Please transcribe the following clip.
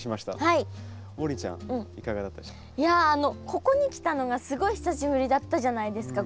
ここに来たのがすごい久しぶりだったじゃないですか。